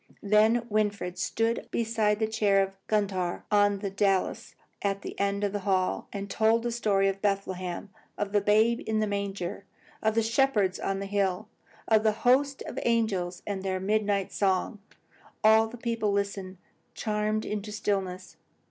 Then Winfried stood beside the chair of Gundhar, on the dais at the end of the hall, and told the story of Bethlehem; of the babe in the manger, of the shepherds on the hills, of the host of angels and their midnight song. All the people listened, charmed into stillness.